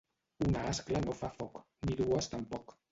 Una ascla no fa foc, ni dues tampoc.